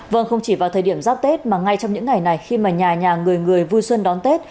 vâng không chỉ vào thời điểm giáp tết mà ngay trong những ngày này khi mà nhà nhà người người vui xuân đón tết